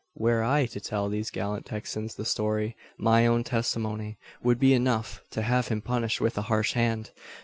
were I to tell these gallant Texans the story, my own testimony would be enough to have him punished with a harsh hand.